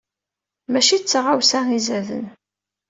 Mačči d taɣawsa i izaden.